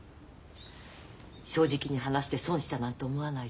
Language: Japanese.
正直に話して損したなんて思わないでね。